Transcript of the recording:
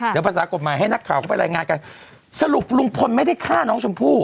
เดี๋ยวภาษากฎหมายให้นักข่าวเข้าไปรายงานกันสรุปลุงพลไม่ได้ฆ่าน้องชมพู่